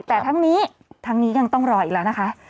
แต่ทั้งนี้ทั้งนี้ยังต้องรออีกแล้วนะคะ